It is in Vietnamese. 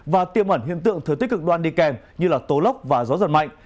và tiêm ẩn hiện tượng thời tiết cực đoan đi kèm như là tô lốc và gió giật mạnh